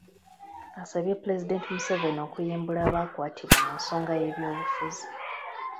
Asabye Pulezidenti Museveni okuyimbula abaakwatibwa mu nsonga y'ebyobufuzi